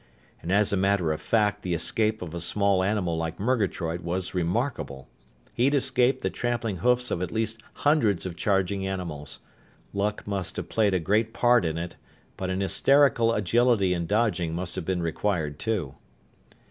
And as a matter of fact the escape of a small animal like Murgatroyd was remarkable. He'd escaped the trampling hoofs of at least hundreds of charging animals. Luck must have played a great part in it, but an hysterical agility in dodging must have been required, too.